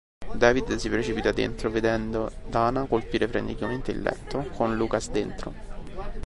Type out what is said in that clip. David si precipita dentro, vedendo Dana colpire freneticamente il letto con Lucas dentro.